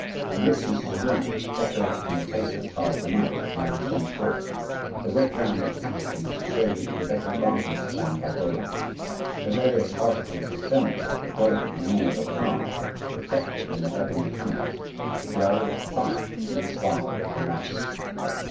The richness of the room, decorated in the taste of Charles IX., now shone forth. The red brown of the tapestries showed to better advantage than by daylight. The various articles of furniture, delicately made or carved, reflected in their ebony panels the glow of the fire and the sparkle of the lights.